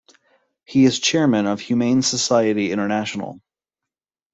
He is chairman of Humane Society International.